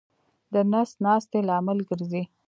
د نس ناستې لامل ګرځي.